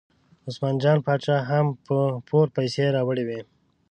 عثمان جان باچا هم په پور پیسې راوړې وې.